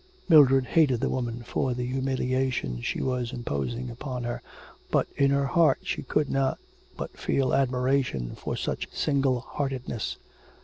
Mildred hated the woman for the humiliation she was imposing upon her, but in her heart she could not but feel admiration for such single heartedness.